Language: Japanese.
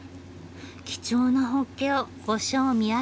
貴重なホッケをご賞味あれ。